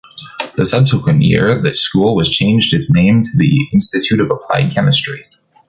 The subsequent year, the school was changed its name to the Institute of Applied Chemistry.